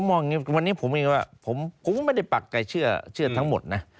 ผมมองอย่างนี้วันนี้ผมไม่ได้ปักใครเชื่อทั้งหมดนะ